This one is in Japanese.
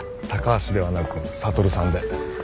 「高橋」ではなく「羽さん」で。